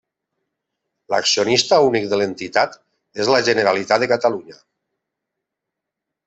L'accionista únic de l'Entitat és la Generalitat de Catalunya.